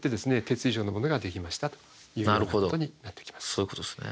そういうことっすね。